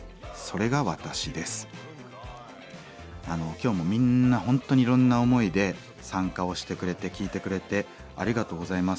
今日もみんな本当にいろんな思いで参加をしてくれて聴いてくれてありがとうございます。